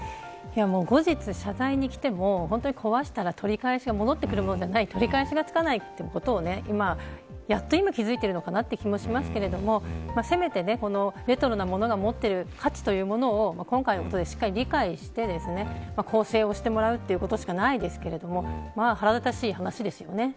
後日謝罪に来ても壊したら戻ってくるものではない取り返しがつかないということをやっと今気付いてるのかなという気もしますがせめてレトロな物が持っている価値というものを今回のことでしっかり理解して更生してもらうということしかないですけど腹立たしい話ですよね。